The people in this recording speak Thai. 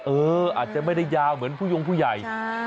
เอออาจจะไม่ได้ยาวเหมือนผู้ยงผู้ใหญ่